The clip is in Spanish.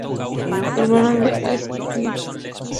Hermano de Aleksandr Liapunov.